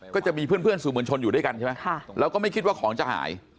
ก็จะมีเพื่อนสื่อมวลชนอยู่ด้วยกันใช่ไหมแล้วก็ไม่คิดว่าของจะหาย